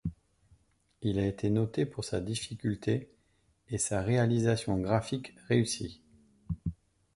Il a été noté pour sa difficulté et sa réalisation graphique réussie.